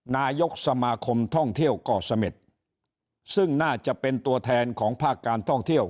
นายกสมาคมท่องเที่ยวก่อเสม็ดซึ่งน่าจะเป็นตัวแทนของภาคการท่องเที่ยว